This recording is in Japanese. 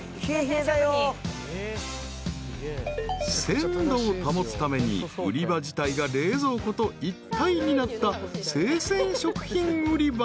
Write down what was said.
［鮮度を保つために売り場自体が冷蔵庫と一体になった生鮮食品売り場］